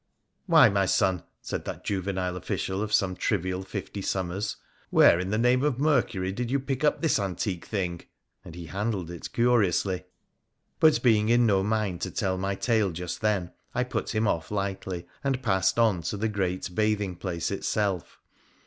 ' Why, my son,' said that juvenile official of some trivial fifty summers, ' where, in the name of Mercury, did you pick up this antique thing ?' and he handled it curiously. But being in no mind to tell my tale just then, I put him off lightly, and passed on into the great bathing place itself.